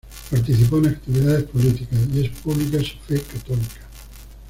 Participó en actividades políticas, y es pública su fe católica.